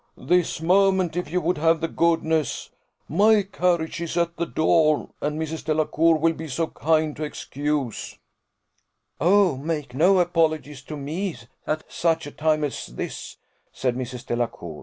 "This moment, if you would have the goodness: my carriage is at the door; and Mrs. Delacour will be so kind to excuse " "Oh, make no apologies to me at such a time as this," said Mrs. Delacour.